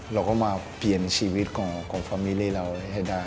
เราก็มาเปลี่ยนชีวิตของฟอร์มิเล่เราให้ได้